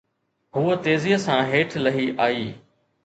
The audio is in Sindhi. هوءَ تيزيءَ سان هيٺ لهي آئي